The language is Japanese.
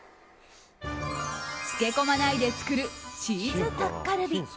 漬け込まないで作るチーズタッカルビ。